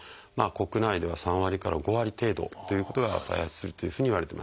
国内では３割から５割程度ということは再発するというふうにいわれてます。